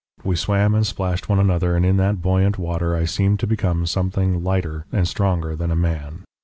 We swam and splashed one another, and in that buoyant water I seemed to become something lighter and stronger than a man.